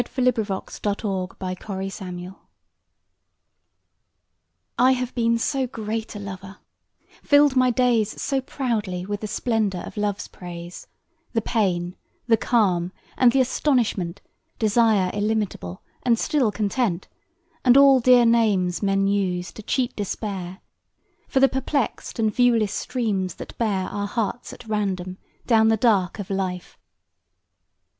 Mataiea, January 1914 The Great Lover I have been so great a lover: filled my days So proudly with the splendour of Love's praise, The pain, the calm, and the astonishment, Desire illimitable, and still content, And all dear names men use, to cheat despair, For the perplexed and viewless streams that bear Our hearts at random down the dark of life.